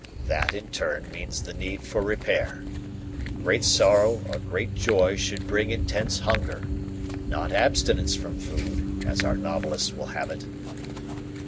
That in turn means the need for repair. Great sorrow or great joy should bring intense hunger not abstinence from food, as our novelists will have it."